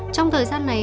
trong thời gian này